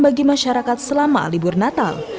bagi masyarakat selama libur natal